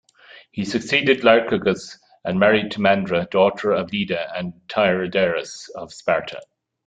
He succeeded Lycurgus, and married Timandra, daughter of Leda and Tyndareus of Sparta.